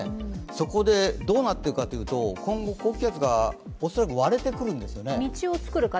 そこでどうなっていくかというと今後、高気圧が恐らく割れてくるんですよね。